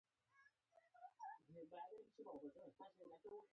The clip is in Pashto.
موږ او طبعیت یې پرېښوول.